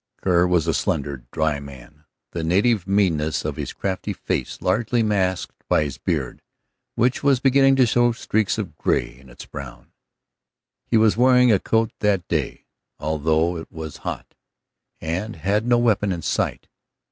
Kerr was a slender, dry man, the native meanness of his crafty face largely masked by his beard, which was beginning to show streaks of gray in its brown. He was wearing a coat that day, although it was hot, and had no weapon in sight.